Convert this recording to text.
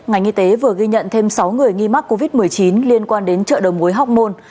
ngành y tế vừa ghi nhận thêm sáu người nghi mắc covid một mươi chín liên quan đến trợ đồng mối học môn